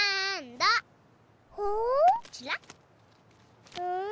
ちらっ！